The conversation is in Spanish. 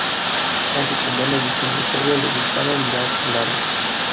Aunque con buena visión de juego, le gustaba mirar al aro.